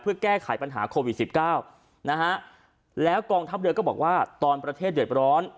เพื่อแก้ไขปัญหาโควิดสิบเก้านะฮะแล้วกองทัพเรือก็บอกว่าตอนประเทศเดือดร้อน